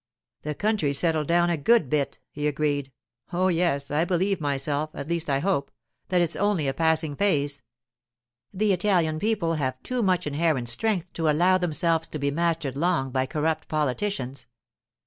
'The country's settled down a good bit,' he agreed. 'Oh, yes, I believe myself—at least I hope—that it's only a passing phase. The Italian people have too much inherent strength to allow themselves to be mastered long by corrupt politicians.